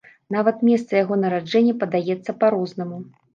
Нават месца яго нараджэння падаецца па-рознаму.